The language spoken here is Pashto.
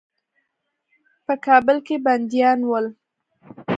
په کابل کې بندیان ول.